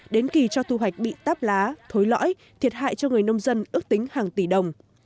đến kỳ cho thu hoạch bị táp lá thối lõi thiệt hại cho người nông dân ước tính hàng tỷ đồng